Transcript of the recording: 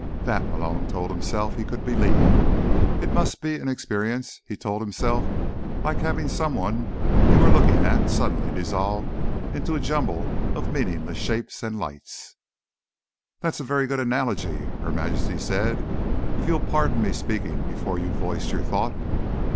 That, Malone told himself, he could believe. It must be an experience, he told himself, like having someone you were looking at suddenly dissolve into a jumble of meaningless shapes and lights. "That's a very good analogy," Her Majesty said. "If you'll pardon me speaking before you've voiced your thought."